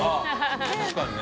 △確かにね。